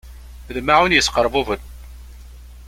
Lmaεun yesqerbuben.